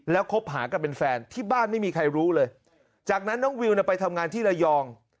แล้วคบหากันเป็นแฟนที่บ้านไม่มีใครรู้เลยจากนั้นน้องวิวไปทำงานที่ระยอง